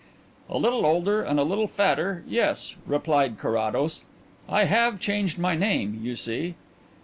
"A little older and a little fatter yes," replied Carrados. "I have changed my name, you see."